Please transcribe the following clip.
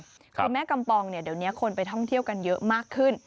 คือแม่กำปองเนี่ยเดี๋ยวนี้คนไปท่องเที่ยวกันเยอะมากขึ้น